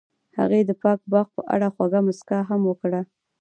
هغې د پاک باغ په اړه خوږه موسکا هم وکړه.